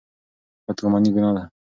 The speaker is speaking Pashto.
بدګماني ګناه ده.